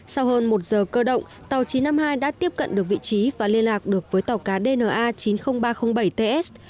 sau hơn một giờ cơ động tàu chín trăm năm mươi hai đã tiếp cận được vị trí và liên lạc được với tàu cá dna chín mươi nghìn ba trăm linh bảy ts